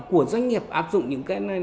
của doanh nghiệp áp dụng